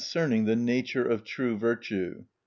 THE NATURE OF TRUE VIRTUE.